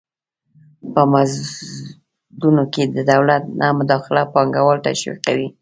په مزدونو کې د دولت نه مداخله پانګوال تشویقوي.